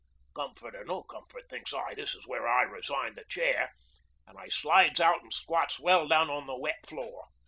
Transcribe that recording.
Comfort or no comfort, thinks I, this is where I resign the chair, an' I slides out an' squats well down on the wet floor.